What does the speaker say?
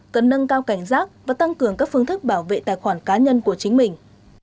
tăng cao cảnh giác và tăng cường các phương thức bảo vệ tài khoản cá nhân của chính mình